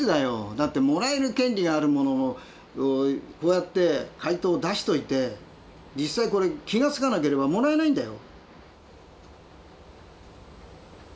だってもらえる権利があるものをこうやって回答を出しといて実際これ気が付かなければもらえないんだよ。